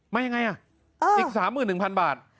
มายังไงอ่ะอีก๓๑๐๐๐บาท